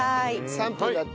３分だって。